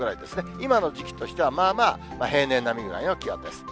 今の時期としては、まあまあ平年並みぐらいの気温です。